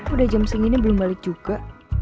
udah jam segini belum balik juga